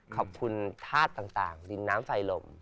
ขอบคุณธาตุต่างดินน้ำไฟลม